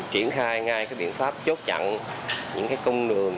triển khai ngay các biện pháp chốt chặn những công đường